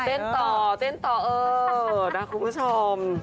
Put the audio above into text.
เด้นต่อนะคุณผู้ชม